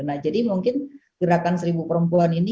nah jadi mungkin gerakan seribu perempuan ini